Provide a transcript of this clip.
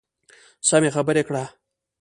سمې خبرې کړه .